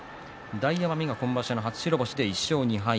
大奄美が今場所初白星で１勝２敗。